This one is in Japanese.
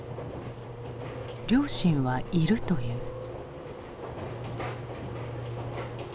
両親はいるという。